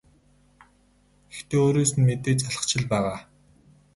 Гэхдээ өөрөөс нь мэдээж залхаж л байгаа.